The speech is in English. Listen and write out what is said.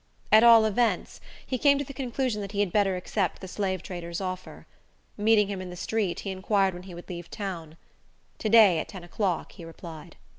At all events, he came to the conclusion that he had better accept the slave trader's offer. Meeting him in the street, he inquired when he would leave town. "To day, at ten o'clock," he replied.